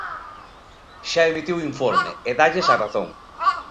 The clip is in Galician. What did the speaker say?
Xa emitiu informe, e dálles a razón.